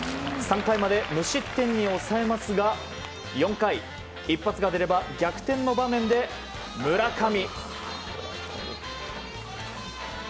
３回まで無失点に抑えますが４回、一発が出れば逆転の場面で村上。